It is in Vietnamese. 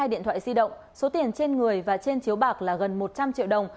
hai điện thoại di động số tiền trên người và trên chiếu bạc là gần một trăm linh triệu đồng